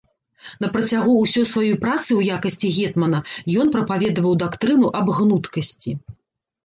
На працягу ўсёй сваёй працы ў якасці гетмана, ён прапаведаваў дактрыну аб гнуткасці.